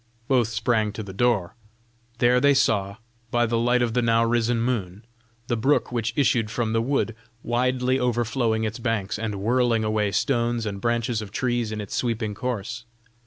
Both sprang to the door. There they saw, by the light of the now risen moon, the brook which issued from the wood, widely overflowing its banks, and whirling away stones and branches of trees in its sweeping course.